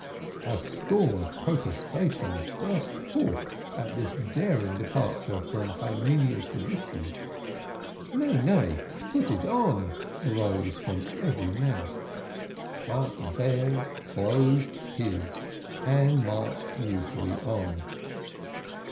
A storm of protestations burst forth at his daring departure from hymeneal tradition. "Nay, nay, put it on," arose from every mouth. But Bear closed his and marched mutely on.